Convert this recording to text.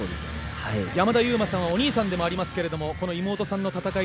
山田勇磨さんはお兄さんでもありますがこの妹さんの戦い